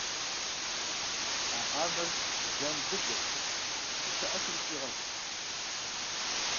А къамэр жан дыдэщ, зылъэӀэсыр зэщӀегъэху.